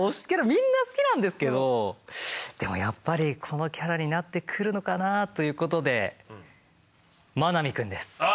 みんな好きなんですけどでもやっぱりこのキャラになってくるのかなあということで真波くんです。ああ！